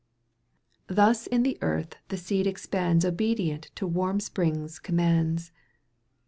Thus in the earth the seed expands Obedient to warm Spring's commands.